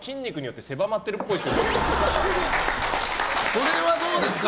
これはどうですか？